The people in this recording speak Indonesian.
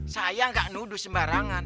saya gak nuduh sembarangan